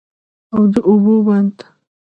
او د اوبو بند